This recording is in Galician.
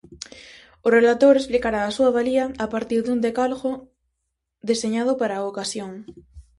O relator explicará a súa valía a partir dun decálogo deseñado para a ocasión.